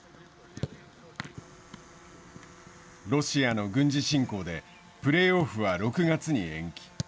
ロシアの軍事侵攻でプレーオフは６月に延期。